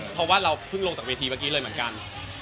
เพราะว่าเราเพิ่งลงจากเวทีเมื่อกี้เลยเหมือนกัน